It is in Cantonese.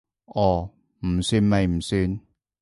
哦，唔算咪唔算